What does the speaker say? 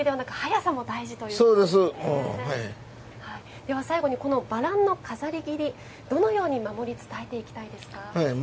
では最後にこのバランの飾り切りどのように守り伝えていきたいですか？